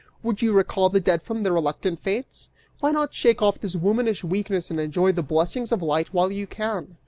Would you recall the dead from the reluctant fates? Why not shake off this womanish weakness and enjoy the blessings of light while you can?